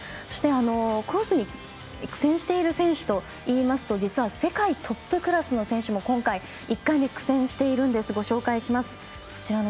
そして、コースに苦戦している選手でいいますと実は、世界トップクラスの選手も１回目、苦戦しています。